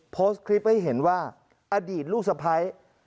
โพสต์คลิปให้เห็นว่าอดีตลูกสะพ้าย